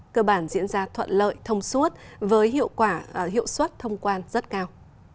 cơ bản diễn ra thuận lợi thông suốt với hiệu quả hiệu suất thông quan rất cao